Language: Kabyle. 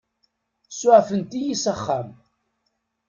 Suɛfent-iyi s axxam.